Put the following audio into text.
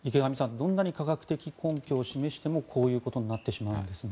どんなに科学的根拠を示してもこういうことになってしまうんですね。